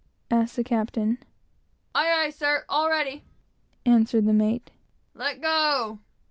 asked the captain. "Aye, aye, sir; all ready," answered the mate. "Let go!"